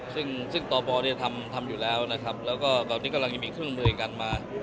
ซึ่งตบทำอยู่แล้วนะครับแล้วก็ตอนนี้กำลังจะมีเครื่องมือกันมา